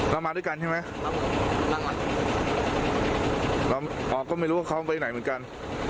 อ๋อก็ไม่รู้เขามีทิ้งไปไหนเหมือนกัน